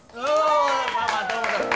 まあまあどうもどうも。